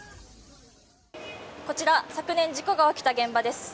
こちら、昨年事故が起きた現場です。